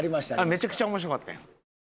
めちゃくちゃ面白かったやん。